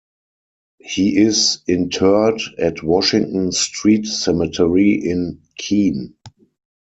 He is interred at Washington Street Cemetery in Keene.